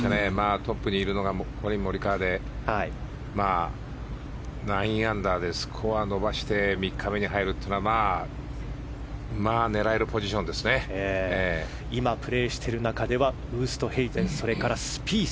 トップにいるのがコリン・モリカワで９アンダーでスコア伸ばして３日目に入るのは今、プレーしている中ではウーストヘイゼンそれから、スピース。